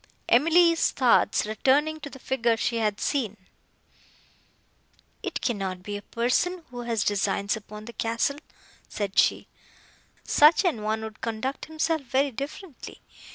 Emily's thoughts returning to the figure she had seen, "It cannot be a person, who has designs upon the castle," said she; "such a one would conduct himself very differently.